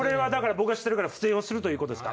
知ってるから不正をするということですか。